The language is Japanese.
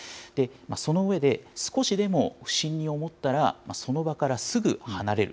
その上で、少しでも不審に思ったら、その場からすぐ離れる。